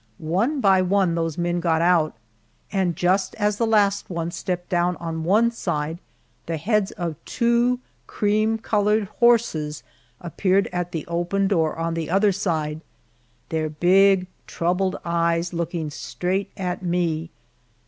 One by one those men got out, and just as the last one stepped down on one side the heads of two cream colored horses appeared at the open door on the other side, their big troubled eyes looking straight at me.